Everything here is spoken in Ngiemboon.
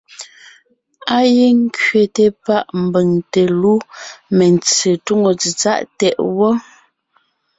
Á gíŋ ńkẅéte páʼ mbʉ̀ŋ te lú mentse túŋo tsetsáʼ tɛʼ wɔ́.